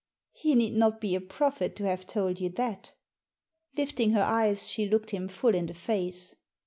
" He need not be a prophet to have told you that" Lifting her eyes she looked him full in the face.